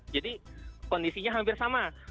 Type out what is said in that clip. jadi kondisinya hampir sama